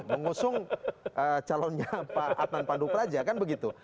mengusung calonnya pak adnan pandu praja kan begitu